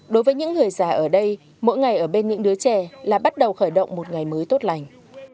đối với những người già ở đây mỗi ngày ở bên những đứa trẻ là bắt đầu khởi động một ngày mới tốt lành